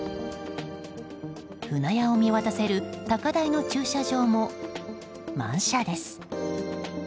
舟屋を見渡せる高台の駐車場も満車です。